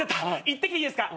行ってきていいですか？